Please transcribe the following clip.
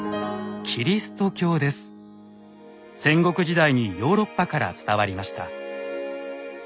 戦国時代にヨーロッパから伝わりました。